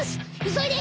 急いで！